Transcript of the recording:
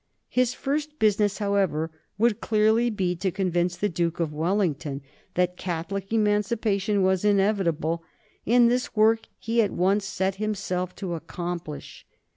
His first business, however, would clearly be to convince the Duke of Wellington that Catholic Emancipation was inevitable, and this work he at once set himself to accomplish.